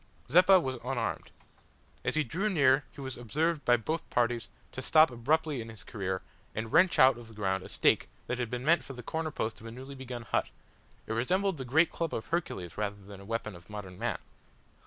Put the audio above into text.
Zeppa was unarmed. As he drew near he was observed by both parties to stop abruptly in his career, and wrench out of the ground a stake that had been meant for the corner post of a newly begun hut. It resembled the great club of Hercules rather than a weapon of modern man.